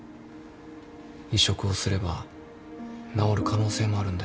移植をすれば治る可能性もあるんだよ。